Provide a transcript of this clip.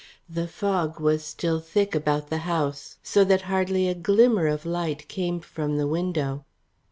The fog was still thick about the house, so that hardly a glimmer of light came from the window.